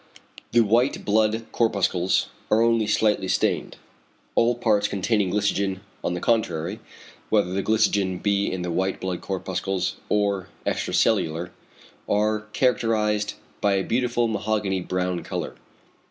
The white blood corpuscles are only slightly stained. All parts containing glycogen on the contrary, whether the glycogen be in the white blood corpuscles, or extracellular, are characterised by a beautiful mahogany brown colour.